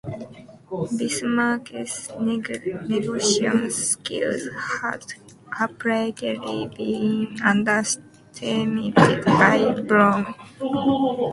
Bismarck's negotiation skills had apparently been underestimated by Blome.